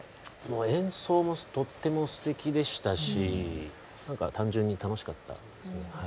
演奏もとってもすてきでしたしなんか単純に楽しかったですね。